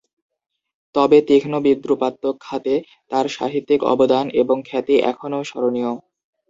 তবে তীক্ষ্ণ বিদ্রুপাত্মক খাতে তার সাহিত্যিক অবদান এবং খ্যাতি এখনও স্মরণীয়।